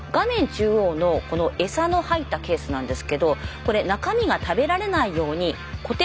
中央のこのエサの入ったケースなんですけどこれ中身が食べられないように固定されちゃってます。